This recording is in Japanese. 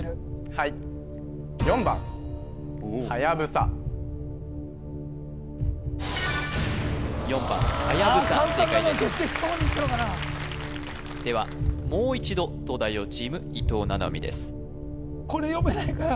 はい４番はやぶさ正解ですではもう一度東大王チーム伊藤七海です